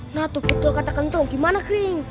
nah tuh betul katakan dong gimana kering